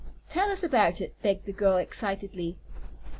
"Tell us about it!" begged the girl, excitedly.